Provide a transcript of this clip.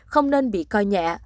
không nên bị coi nhẹ